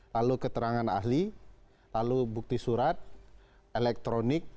lalu keterangan ahli lalu bukti surat elektronik